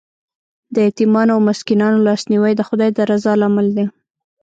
د یتیمانو او مسکینانو لاسنیوی د خدای د رضا لامل دی.